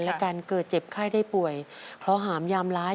และการเกิดเจ็บไข้ได้ป่วยเพราะหามยามร้าย